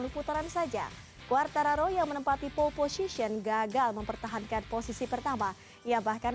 putaran saja quartararo yang menempati pole position gagal mempertahankan posisi pertama ia bahkan